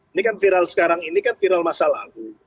ini kan viral sekarang ini kan viral masa lalu